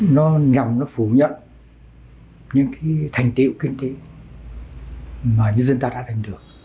nó nhầm nó phủ nhận những thành tiệu kinh tế mà dân ta đã thành được